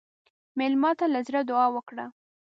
مېلمه ته له زړه دعا وکړه.